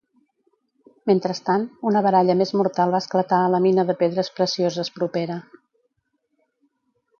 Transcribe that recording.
Mentrestant, una baralla més mortal va esclatar a la mina de pedres precioses propera.